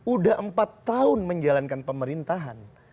udah empat tahun menjalankan pemerintahan